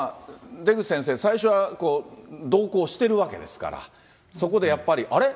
出口先生、最初は同行してるわけですから、そこでやっぱり、あれ？